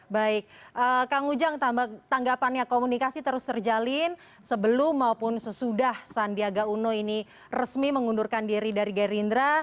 baik kang ujang tanggapannya komunikasi terus terjalin sebelum maupun sesudah sandiaga uno ini resmi mengundurkan diri dari gerindra